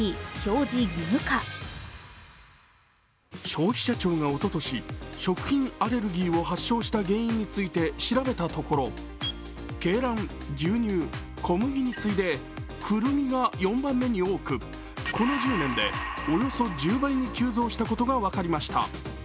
消費者庁がおととし食品アレルギーを発症した原因について調べたところ鶏卵、牛乳、小麦に次いでくるみが４番目に多く、この１０年で、およそ１０倍に急増したことが分かりました。